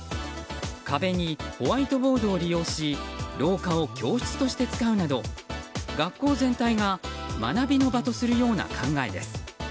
壁にホワイトボードを利用し廊下を教室として使うなど学校全体が学びの場とするような考えです。